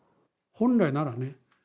本来ならね